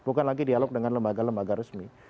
bukan lagi dialog dengan lembaga lembaga resmi